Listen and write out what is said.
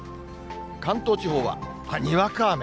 関東地方はにわか雨。